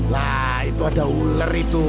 nah itu ada ular itu